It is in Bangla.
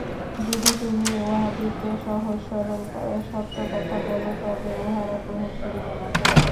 যদি তুমি উহাদিগকে সহজ সরল সত্য কথা বলো, তবে উহারা গ্রহণ করিবে না।